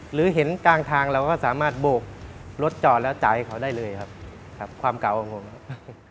หรือเห็นกลางทางเราก็สามารถโบกรถจอดแล้วจ่ายเขาได้เลยครับครับความเก่าของผมครับ